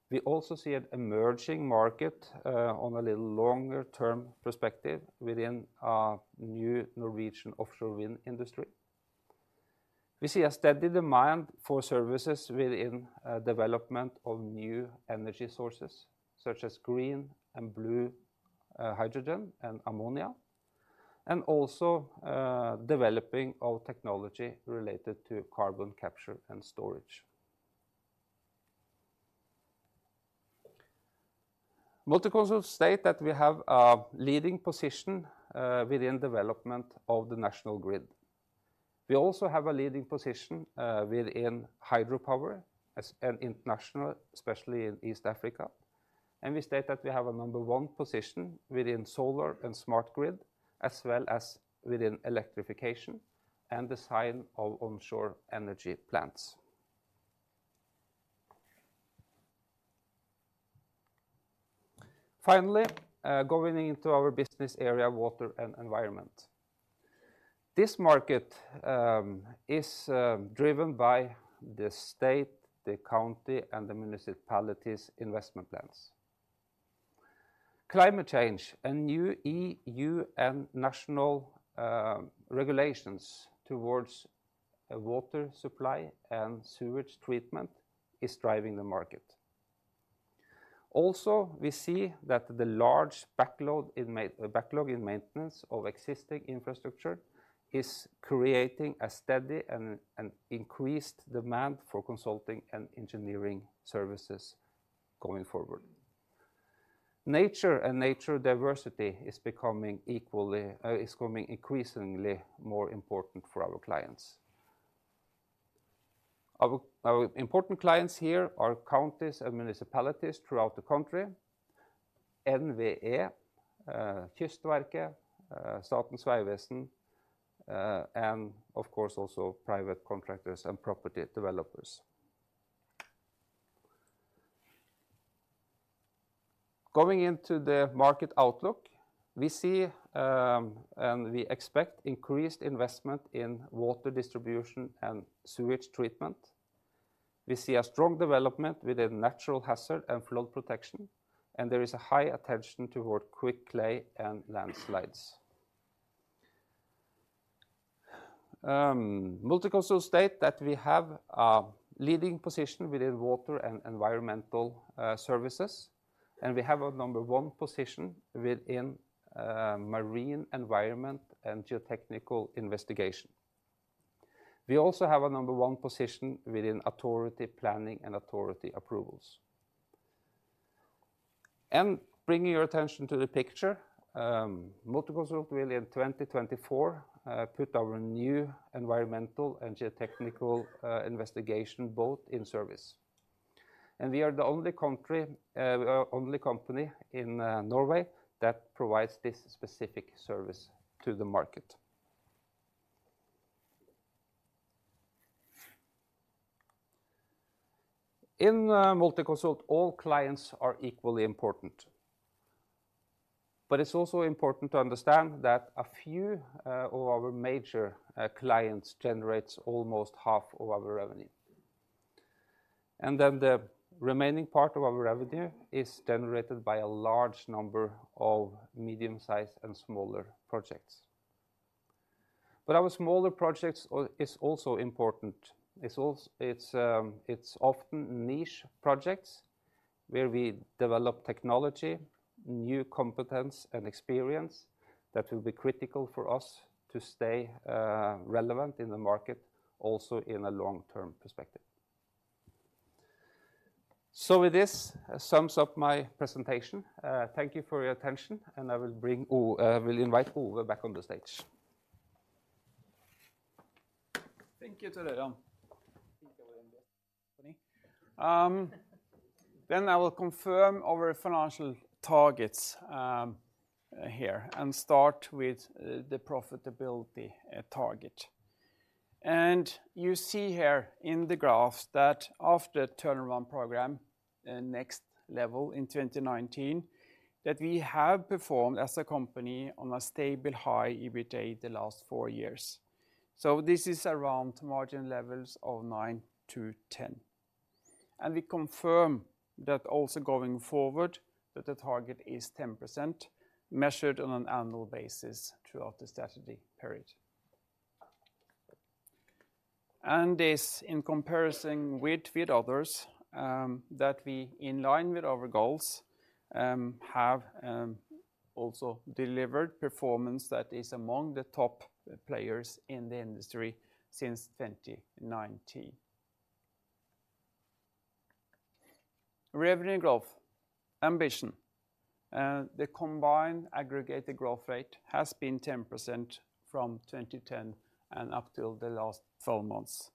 We also see an emerging market on a little longer term perspective within a new Norwegian offshore wind industry. We see a steady demand for services within development of new energy sources, such as green and blue hydrogen and ammonia, and also developing of technology related to carbon capture and storage. Multiconsult state that we have a leading position within development of the national grid. We also have a leading position within hydropower, as and international, especially in East Africa. And we state that we have a number one position within solar and smart grid, as well as within electrification and design of onshore energy plants. Finally, going into our business area, water and environment. This market is driven by the state, the county, and the municipalities' investment plans. Climate change and new EU and national regulations towards water supply and sewage treatment is driving the market. Also, we see that the large backlog in maintenance of existing infrastructure is creating a steady and increased demand for consulting and engineering services going forward. Nature and nature diversity is becoming increasingly more important for our clients. Our important clients here are counties and municipalities throughout the country, NVE, Kystverket, Statens vegvesen, and of course, also private contractors and property developers. Going into the market outlook, we see and we expect increased investment in water distribution and sewage treatment. We see a strong development within natural hazard and flood protection, and there is a high attention toward quick clay and landslides. Multiconsult state that we have a leading position within water and environmental services, and we have a number one position within marine environment and geotechnical investigation. We also have a number one position within authority planning and authority approvals. Bringing your attention to the picture, Multiconsult will in 2024 put our new environmental and geotechnical investigation boat in service. And we are the only company in Norway that provides this specific service to the market. In Multiconsult, all clients are equally important. But it's also important to understand that a few of our major clients generates almost half of our revenue. And then the remaining part of our revenue is generated by a large number of medium-sized and smaller projects. But our smaller projects are also important. It's often niche projects where we develop technology, new competence, and experience that will be critical for us to stay relevant in the market, also in a long-term perspective. So with this, sums up my presentation. Thank you for your attention, and I will invite Ove back on the stage.
Thank you, Thor Ørjan. I think I will end this company. Then I will confirm our financial targets here, and start with the profitability target. You see here in the graph that after turnaround program, and next level in 2019, that we have performed as a company on a stable, high EBITDA the last four years. So this is around margin levels of 9%-10%. We confirm that also going forward, that the target is 10%, measured on an annual basis throughout the strategy period. This, in comparison with others, that we, in line with our goals, have also delivered performance that is among the top players in the industry since 2019. Revenue growth ambition, the combined aggregated growth rate has been 10% from 2010 and up till the last twelve months.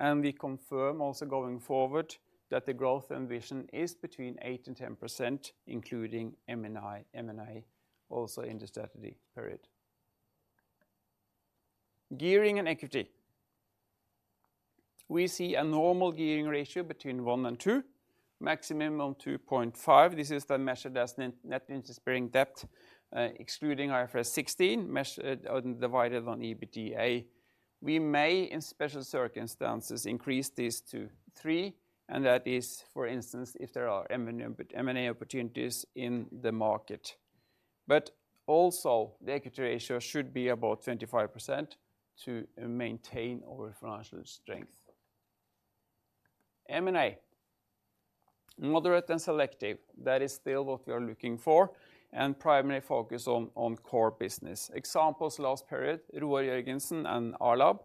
We confirm also going forward that the growth ambition is between 8%-10%, including M&A, also in the strategy period. Gearing and equity. We see a normal gearing ratio between 1% to 2%, maximum 2.5%. This is measured as net, net interest-bearing debt, excluding IFRS 16, measured and divided on EBITDA. We may, in special circumstances, increase this to 3%, and that is, for instance, if there are M&A opportunities in the market. But also, the equity ratio should be about 25% to maintain our financial strength. M&A, moderate and selective, that is still what we are looking for, and primary focus on core business. Examples last period, Roar Jørgensen and A-lab.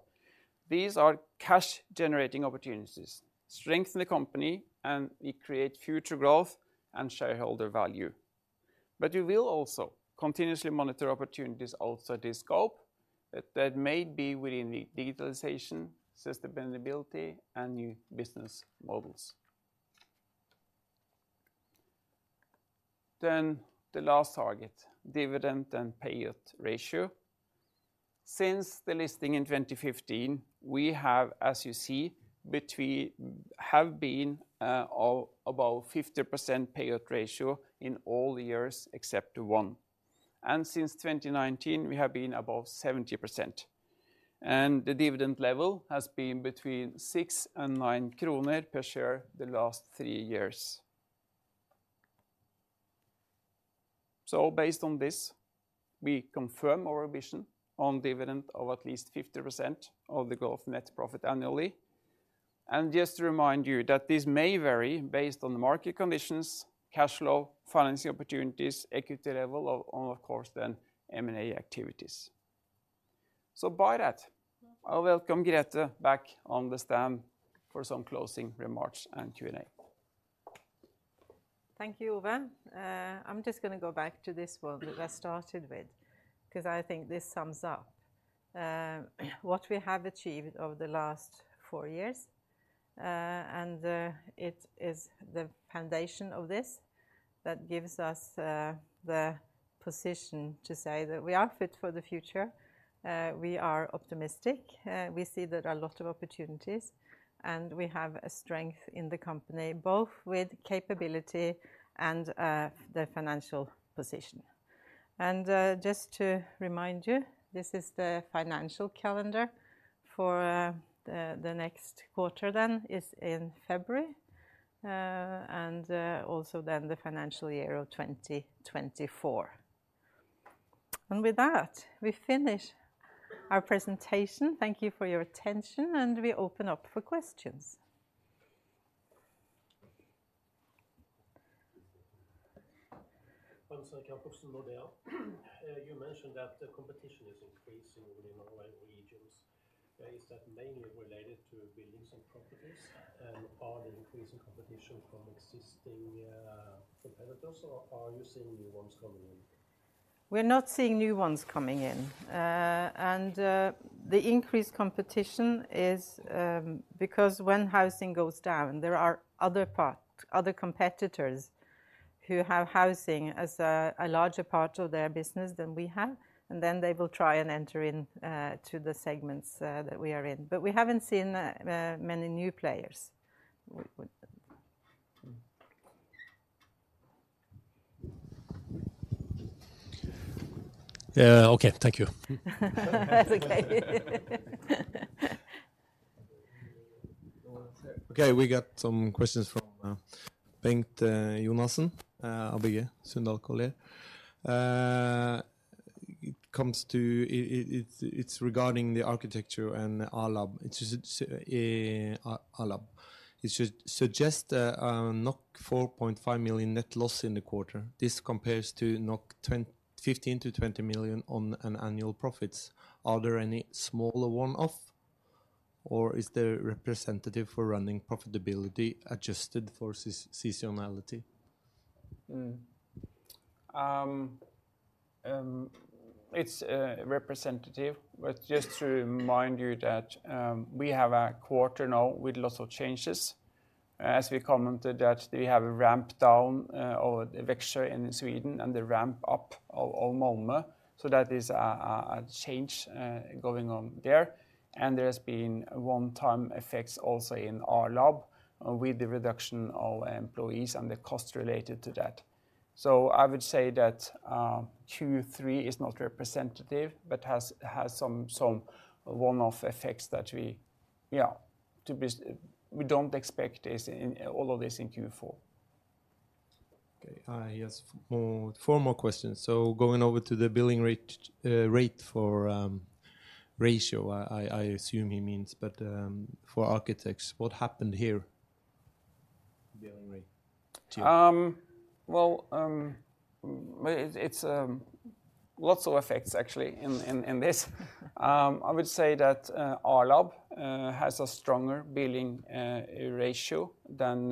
These are cash-generating opportunities, strengthen the company, and we create future growth and shareholder value. But we will also continuously monitor opportunities outside the scope, that may be within the digitalization, sustainability, and new business models. Then the last target, dividend and payout ratio. Since the listing in 2015, we have, as you see, been above 50% payout ratio in all years except one. And since 2019, we have been above 70%, and the dividend level has been between 6 and 9 kroner per share the last three years. So based on this, we confirm our vision on dividend of at least 50% of the goal of net profit annually. And just to remind you, that this may vary based on market conditions, cash flow, financing opportunities, equity level, and of course, then M&A activities. So by that, I'll welcome Grethe back on the stand for some closing remarks and Q&A.
Thank you, Ove. I'm just going to go back to this one that I started with, 'cause I think this sums up what we have achieved over the last four years. And it is the foundation of this that gives us the position to say that we are fit for the future, we are optimistic, we see there are a lot of opportunities, and we have a strength in the company, both with capability and the financial position. And just to remind you, this is the financial calendar for the next quarter then, is in February, and also then the financial year of 2024. And with that, we finish our presentation. Thank you for your attention, and we open up for questions.
Hans-Erik Jacobsen, Nordea. You mentioned that the competition is increasing within our regions. Is that mainly related to buildings and properties, and are the increase in competition from existing competitors, or are you seeing new ones coming in?
We're not seeing new ones coming in. The increased competition is because when housing goes down, there are other part, other competitors who have housing as a larger part of their business than we have, and then they will try and enter in to the segments that we are in. But we haven't seen many new players.
Okay, thank you.
That's okay.
Okay, we got some questions from Bengt Jonassen, ABG Sundal Collier. It comes to the architecture and A-lab. It's A-lab. It suggests 4.5 million net loss in the quarter. This compares to 15 million-20 million on an annual profit. Are there any smaller one-off, or is there representative for running profitability adjusted for seasonality?
It's representative, but just to remind you that we have a quarter now with lots of changes. As we commented that we have ramped down our Växjö in Sweden and the ramp up of Malmö, so that is a change going on there. And there's been one-time effects also in A-lab, with the reduction of employees and the costs related to that. So I would say that Q3 is not representative, but has some one-off effects that we don't expect all of this in Q4.
Okay, he has four more questions. So, going over to the billing rate, rate for, ratio, I assume he means, but for architects, what happened here?
Billing rate. Well, it's lots of effects actually in this. I would say that A-lab has a stronger billing ratio than.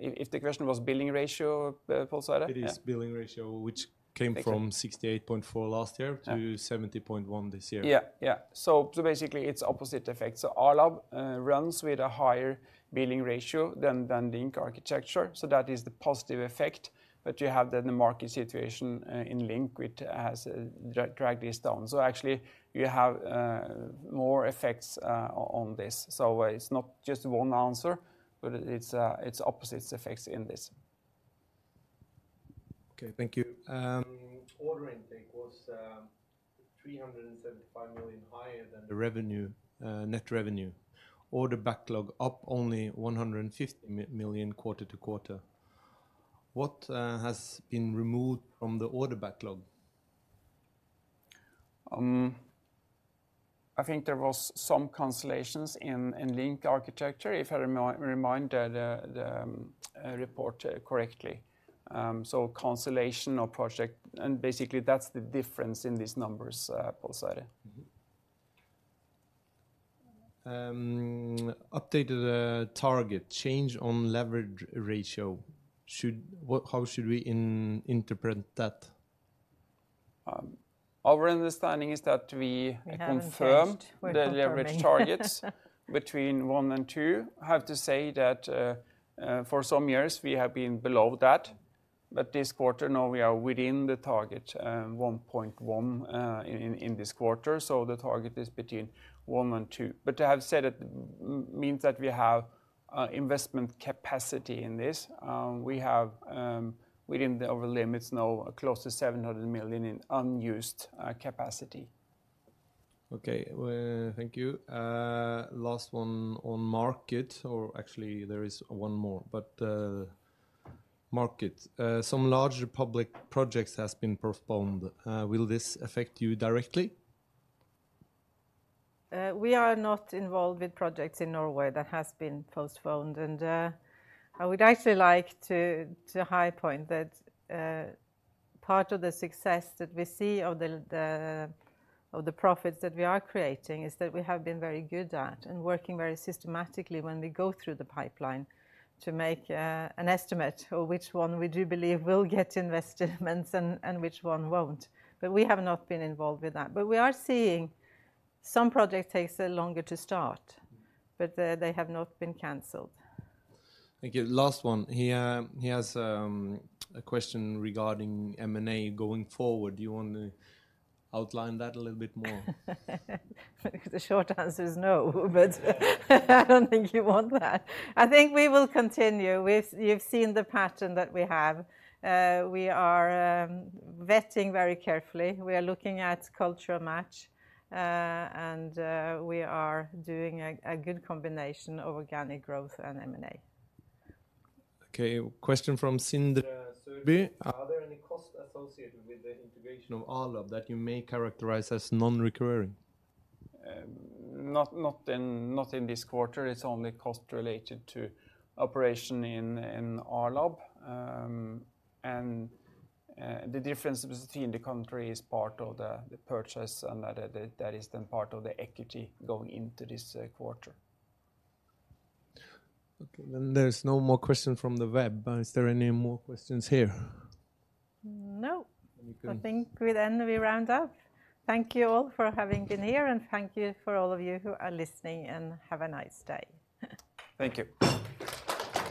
If the question was billing ratio, per se?
It is billing ratio, which came from 68.4% last year to 70.1% this year.
Yeah, yeah. So basically, it's opposite effect. So A-lab runs with a higher billing ratio than the LINK Arkitektur, so that is the positive effect. But you have the market situation in LINK Arkitektur, which has dragged this down. So actually, you have more effects on this. So it's not just one answer, but it's opposite effects in this.
Okay, thank you. Order intake was 375 million higher than the revenue, net revenue. Order backlog up only 150 million quarter-over-quarter. What has been removed from the order backlog?
I think there was some cancellations in LINK Arkitektur, if I remember the report correctly. So cancellation of project, and basically that's the difference in these numbers, per se.
Updated the target, change on leverage ratio. Should what, how should we interpret that?
Our understanding is that we-
We haven't changed.
-confirmed the leverage targets between 1% and 2%. I have to say that, for some years, we have been below that, but this quarter, now we are within the target, 1.1% in this quarter, so the target is between 2% and 2%. But to have said it means that we have investment capacity in this, we have within the over limits, now, close to 700 million in unused capacity.
Okay, thank you. Last one on market, or actually there is one more, but market. Some larger public projects has been postponed. Will this affect you directly?
We are not involved with projects in Norway that has been postponed, and I would actually like to high point that part of the success that we see of the profits that we are creating is that we have been very good at and working very systematically when we go through the pipeline to make an estimate of which one we do believe will get investments and which one won't. But we have not been involved with that. But we are seeing some project takes longer to start, but they have not been canceled.
Thank you. Last one, he has, a question regarding M&A going forward. Do you want to outline that a little bit more?
The short answer is no, but I don't think you want that. I think we will continue with. You've seen the pattern that we have. We are vetting very carefully. We are looking at cultural match, and we are doing a good combination of organic growth and M&A.
Okay, question from Sindre Sørbye. Are there any costs associated with the integration of A-lab that you may characterize as non-recurring?
Not in this quarter. It's only cost related to operation in A-lab. And the difference between the currency is part of the purchase, and that is then part of the equity going into this quarter.
Okay, then there's no more questions from the web. Is there any more questions here?
No.
We can-
I think we then, we round up. Thank you all for having been here and thank you for all of you who are listening, and have a nice day.
Thank you.